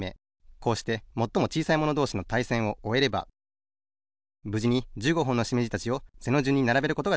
こうしてもっともちいさいものどうしのたいせんをおえればぶじに１５ほんのしめじたちを背のじゅんにならべることができました。